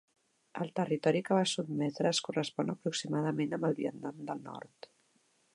El territori que va sotmetre es correspon aproximadament amb el Vietnam del Nord.